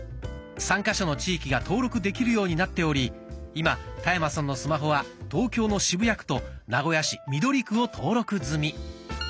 ３か所の地域が登録できるようになっており今田山さんのスマホは東京の渋谷区と名古屋市緑区を登録済み。